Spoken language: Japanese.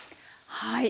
はい。